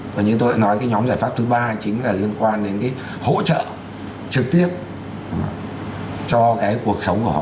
và như tôi đã nói cái nhóm giải pháp thứ ba chính là liên quan đến cái hỗ trợ trực tiếp cho cái cuộc sống của họ